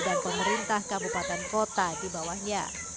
dan pemerintah kabupaten kota di bawahnya